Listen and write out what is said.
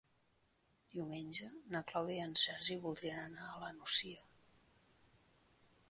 Diumenge na Clàudia i en Sergi voldrien anar a la Nucia.